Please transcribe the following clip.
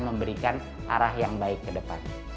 memberikan arah yang baik ke depan